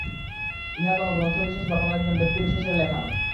ইহা কোন গ্রন্থ-বিশেষ বা কোন একজন ব্যক্তিবিশেষের লেখা নয়।